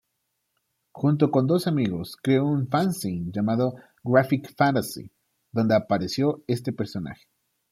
Junto con dos amigos creó un fanzine llamado Graphic Fantasy, donde apareció este personaje.